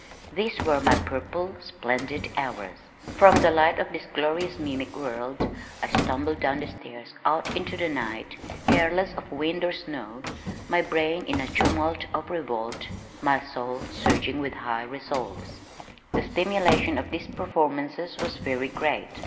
These were my purple, splendid hours. From the light of this glorious mimic world I stumbled down the stairs out into the night, careless of wind or snow, my brain in a tumult of revolt, my soul surging with high resolves. The stimulation of these performances was very great.